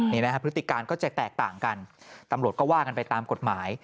นี่นะครับพฤติการก็จะแตกต่างกันตำรวจก็ว่ากันไปตามกฎหมาย